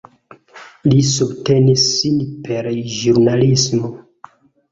Li subtenis sin per ĵurnalismo.